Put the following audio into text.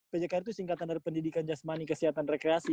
pjk itu singkatan dari pendidikan jasmani kesehatan rekreasi